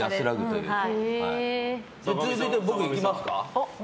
続いて、僕いきます。